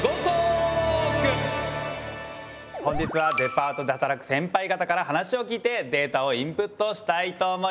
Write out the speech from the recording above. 本日はデパートで働くセンパイ方から話を聞いてデータをインプットしたいと思います。